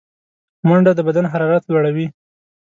منډه د بدن حرارت لوړوي